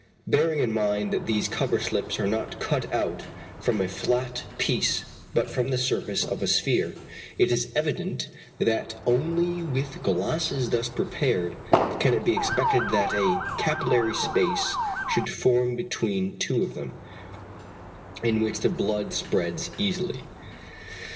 Bearing in mind, that these cover slips are not cut out from a flat piece but from the surface of a sphere, it is evident that only with glasses thus prepared, can it be expected that a capillary space should be formed between two of them, in which the blood spreads easily.